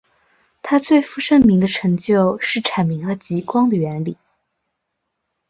他最负盛名的成就是阐明了极光的原理。